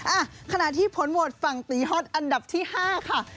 อ่ะขณะที่ผลโหวตฝั่งตีฮอตอันดับที่๕ค่ะ